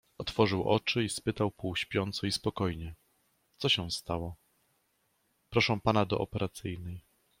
otworzył oczy i spytał półśpiąco i spokojnie: — Co się stało? — Proszą pana do operacyjnej.